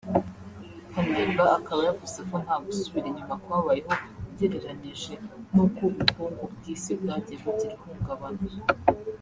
Kanimba akaba yavuze ko nta gusubira inyuma kwabayeho ugereranije n’uko ubukungu bw’Isi bwagiye bugira ihungabana